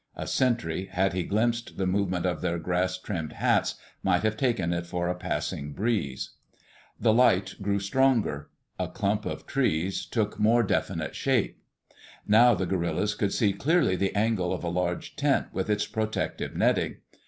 A sentry, had he glimpsed the movement of their grass trimmed hats, might have taken it for a passing breeze. The light grew stronger. The clump of trees took more definite shape. Now the guerillas could see clearly the angle of a large tent with its protective netting.